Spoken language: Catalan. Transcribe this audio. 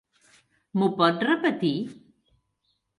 Mho pot repetir?